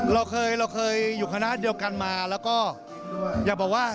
เราเคยเราเคยอยู่คณะเดียวกันมาแล้วก็อยากบอกว่า